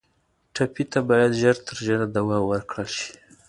ټپي ته باید ژر تر ژره دوا ورکړل شي.